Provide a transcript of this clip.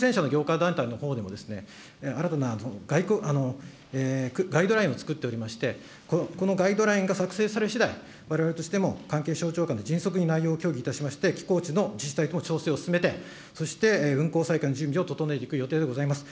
また外国クルーズ船社の業界団体のほうでも新たなガイドラインを作っておりまして、このガイドラインが作成されしだい、われわれとしても、関係省庁間の迅速に内容を協議いたしまして、寄港地の自治体等の調整を進めて、そして運航再開の準備を整えていく予定でございます。